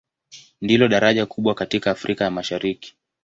Ndilo daraja kubwa katika Afrika ya Mashariki.